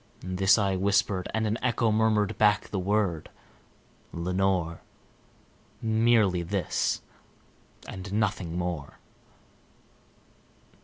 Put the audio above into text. This I whispered, and an echo murmured back the word, "Lenore!" Merely this and nothing more.